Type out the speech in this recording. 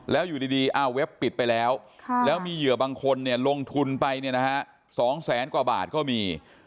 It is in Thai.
แล้วอยู่ดีเว็บปิดไปแล้วแล้วมีเหยื่อบางคนลงทุนไปเนี่ยนะฮะ๒แสนกว่าบาทก็มี